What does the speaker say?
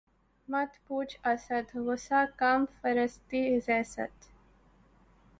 مت پوچھ اسد! غصۂ کم فرصتیِ زیست